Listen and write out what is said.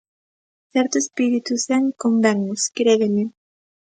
Certo espírito zen convennos, crédeme.